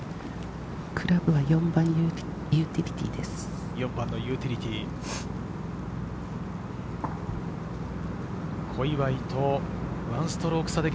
クラブは４番ユーティリティーです。